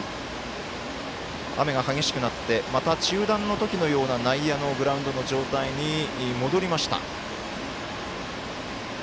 雨が激しくなってまた中断の時のような内野のグラウンドの状態に戻りました。